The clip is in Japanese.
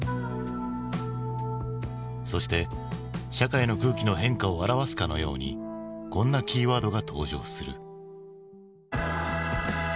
そして社会の空気の変化を表すかのようにこんなキーワードが登場する。